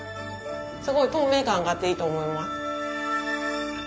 すごい透明感があっていいと思います。